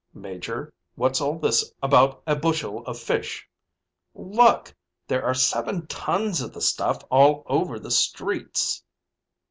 "Major, what's all this about a bushel of fish?" "Look, there are seven tons of the stuff all over the streets."